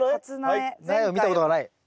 苗を見たことがない？